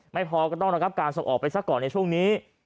ไม่พอก็ต้องระงับการส่งออกไปซะก่อนในช่วงนี้